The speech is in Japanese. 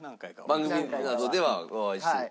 番組などではお会いしてる。